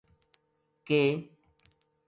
کِ